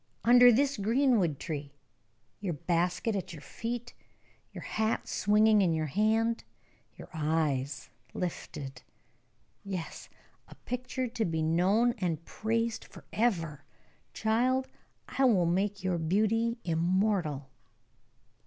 Under this greenwood tree, your basket at your feet, your hat swinging in your hand, your eyes lifted yes, a picture to be known and praised forever. Child, I will make your beauty immortal."